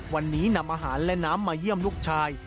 วันนี้นำอาหารและน้ำมาเยี่ยมลูกชาย